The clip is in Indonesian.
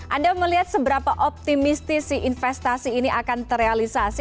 anda melihat seberapa optimistisi investasi ini akan terrealisasi